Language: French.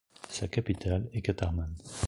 Sa capitale est Catarman.